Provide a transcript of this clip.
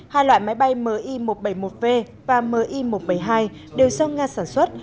hai loại máy bay mi một trăm bảy mươi một v và mi một trăm bảy mươi hai đều do nga sản xuất